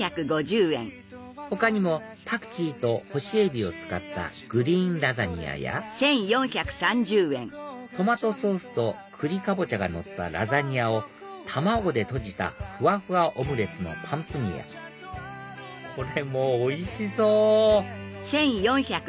他にもパクチーと干しエビを使ったグリーンラザニアやトマトソースとクリカボチャがのったラザニアを卵でとじたふわふわオムレツのパンプニアこれもおいしそう！